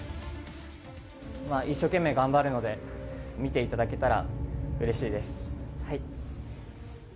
一生懸命頑張るので、見ていただけたらうれしいです。